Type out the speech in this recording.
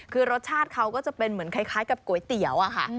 คือรสชาติเขาก็จะเป็นเหมือนคล้ายกับก๋วยเตี๋ยวอะค่ะ